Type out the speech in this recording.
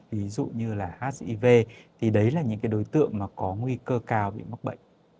ví dụ như là hiv thì đấy là những cái đối tượng mà có nguy cơ cao bị mắc bệnh